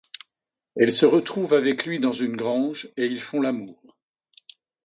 Elle se retrouve avec lui dans une grange et ils font l'amour.